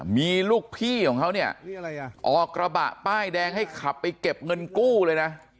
มีลูกพี่ของเขาเนี่ยออกกระบะป้ายแดงให้ขับไปเก็บเงินกู้เลยนะ